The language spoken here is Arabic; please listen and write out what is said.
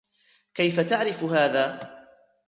كيف تعرف هذا ؟